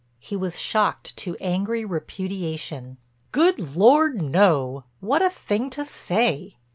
He was shocked to angry repudiation. "Good Lord, no! What a thing to say!"